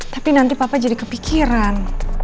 tapi nanti papa jadi kepikiran